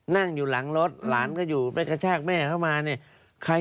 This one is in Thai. นั่งอยู่หลังรถหลานก็อยู่ไปกระชากแม่เข้ามาเนี่ยใคร